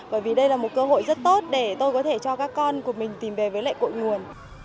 bởi vì đây là một cơ hội rất tốt để tôi có thể cho các con của mình tìm về với lại cội nguồn